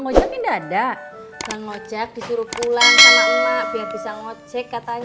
ngajak ngajak disuruh pulang sama emak biar bisa ngojek katanya